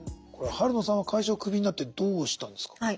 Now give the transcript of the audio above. これ晴野さんは会社をクビになってどうしたんですか。